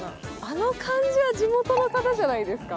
あの感じは地元の方じゃないですか？